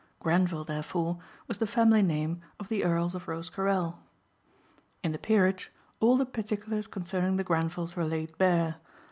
Grenvil, therefore, was the family name of the Earls of Rosecarrel. In the peerage all the particulars concerning the Grenvils were laid bare.